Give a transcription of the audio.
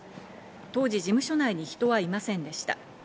当時、事務所内に人はいませんでした。